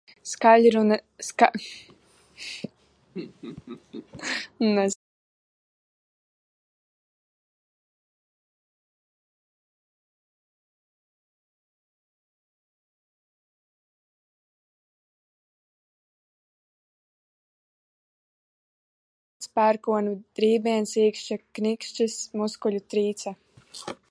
Skaļruņa defekts, pērkona rībiens, īkšķa knikšķis, muskuļu trīce.